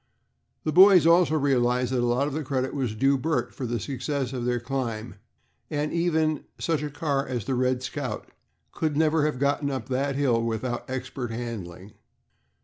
The boys also realized that a lot of credit was due Bert for the success of their climb, as even such a car as the "Red Scout" could never have gotten up that hill without expert handling.